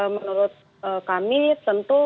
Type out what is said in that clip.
menurut kami tentu